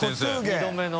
二度目の。